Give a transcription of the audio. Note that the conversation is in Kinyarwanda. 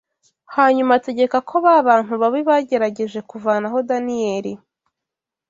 Hanyuma, ategeka ko ba bantu babi bagerageje kuvanaho Daniyeli